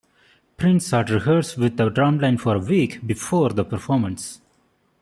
Prince had rehearsed with the drum line for a week before the performance.